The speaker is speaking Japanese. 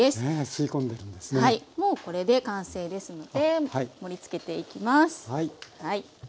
もうこれで完成ですので盛りつけていきます。